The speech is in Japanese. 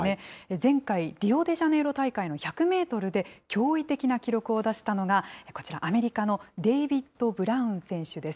前回、リオデジャネイロ大会の１００メートルで、驚異的な記録を出したのが、こちら、アメリカのデイビッド・ブラウン選手です。